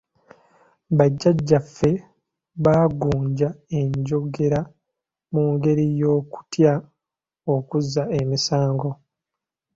Bajjajjaffe baagunja enjogera mu ngeri y’okutya okuzza emisango.